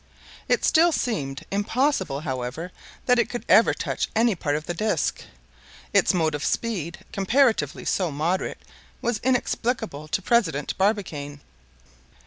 It still seemed impossible, however, that it could ever touch any part of the disc. Its motive speed, comparatively so moderate, was inexplicable to President Barbicane.